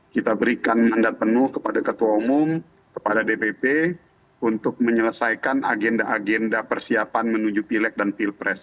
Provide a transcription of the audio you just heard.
kita berikan mandat penuh kepada ketua umum kepada dpp untuk menyelesaikan agenda agenda persiapan menuju pilek dan pilpres